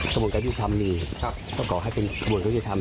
กระบวนการยุติธรรมมีเขาก็ก่อให้เป็นบริษัทที่ทำ